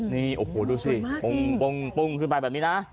นี่โอ้โหดูสิปุ้งขึ้นไปแบบนี้นะ